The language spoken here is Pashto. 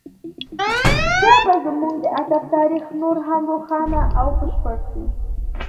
دا به زموږ د ادب تاریخ نور هم روښانه او بشپړ کړي